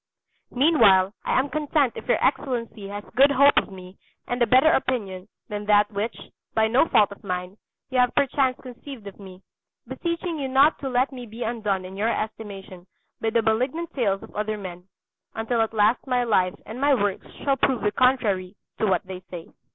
Meanwhile, I am content if your Excellency has good hope of me and a better opinion than that which, by no fault of mine, you have perchance conceived of me; beseeching you not to let me be undone in your estimation by the malignant tales of other men, until at last my life and my works shall prove the contrary to what they say.